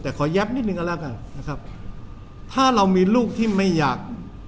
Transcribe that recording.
แต่ขอแยบนิดนึงกันแล้วกันนะครับถ้าเรามีลูกที่ไม่อยาก